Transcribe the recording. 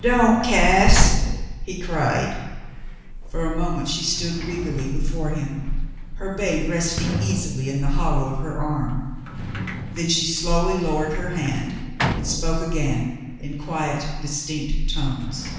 "Don't, Gass," he cried. For a moment she stood regally before him, her babe resting easily in the hollow of her arm. Then she slowly lowered her hand and spoke again, in quiet, distinct tones.